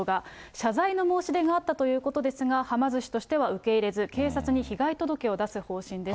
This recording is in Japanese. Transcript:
謝罪の申し出があったということですが、はま寿司としては受け入れず、警察に被害届を出す方針です。